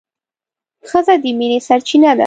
ښځه د مينې سرچينه ده